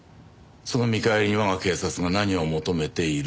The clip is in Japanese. その見返りに我が警察が何を求めているのかも。